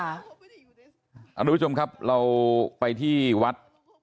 อันดูดิวชมครับเราไปที่วัด